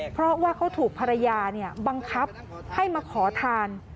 เพราะว่าเขาถูกภรรยาบังคับให้มาขอทาน